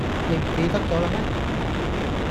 你唔記得咗啦咩?